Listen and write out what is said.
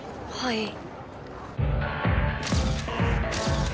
はい。